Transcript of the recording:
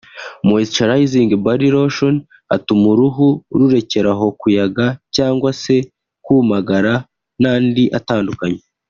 Moisturising body lotion atuma uruhu rurekeraho kuyaga cyangwa se kumagara n’andi atandukanye